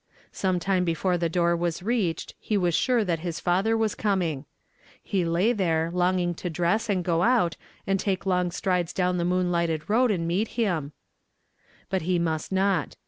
Sometime before the door was reached he was sure that his father was coming. He lay there longing to dress and go out and take long strides down the moon lighted road and meet him ; but he nuist not.